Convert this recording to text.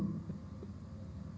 saya berharap dengan para penduduk